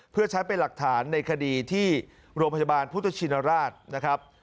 เพื่อใช้เป็นหลักฐานในคดีที่โรงพยาบาลพุทธชินราชนะครับ